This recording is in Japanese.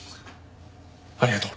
ありがとう。